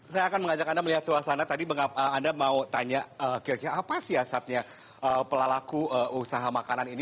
saya akan mengajak anda melihat suasana tadi anda mau tanya kira kira apa sih asapnya pelaku usaha makanan ini